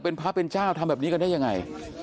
เป็นพระเป็นเจ้าทำแบบนี้กันได้ยังไง